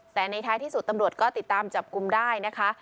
แต่ในท้ายที่สุดตำรวจก็ติดตามจับกลุ่มได้นะคะ